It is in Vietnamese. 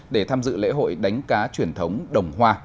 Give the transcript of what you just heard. để tham dự lễ hội đánh cá truyền thống đồng hoa